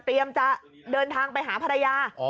จะเดินทางไปหาภรรยา